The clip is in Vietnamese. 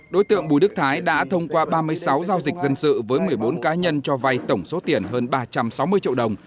đối tượng bùi đức thái đã thông qua ba mươi sáu giao dịch dân sự với một mươi bốn cá nhân cho vai tổng số tiền hơn ba trăm sáu mươi triệu đồng